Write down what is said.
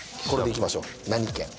これでいきましょう何県？